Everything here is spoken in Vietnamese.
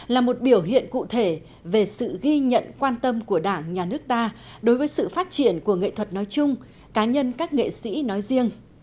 là một biểu hiện cụ thể về sự ghi nhận quan tâm của đảng nhà nước ta đối với sự phát triển của nghệ thuật nói chung cá nhân các nghệ sĩ nói riêng